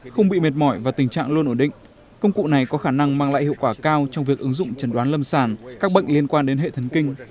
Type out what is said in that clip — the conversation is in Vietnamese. không bị mệt mỏi và tình trạng luôn ổn định công cụ này có khả năng mang lại hiệu quả cao trong việc ứng dụng chẩn đoán lâm sản các bệnh liên quan đến hệ thần kinh